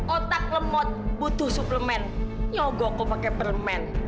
otak lemot butuh suplemen nyogok kok pakai permen